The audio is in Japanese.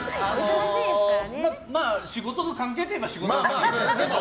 まあ仕事の関係といえば仕事の関係ですけど。